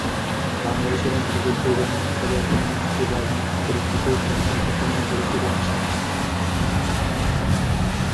বাংলাদেশের মুক্তিযুদ্ধের গণহত্যা, বর্তমান অস্থির রাজনৈতিক পরিস্থিতিও তাঁর শিল্পকর্মে ঘুরেফিরে আসে।